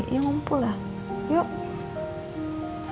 ya ngumpul lah